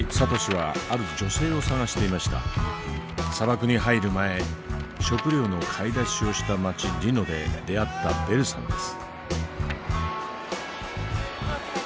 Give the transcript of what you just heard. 砂漠に入る前食料の買い出しをした街リノで出会ったベルさんです。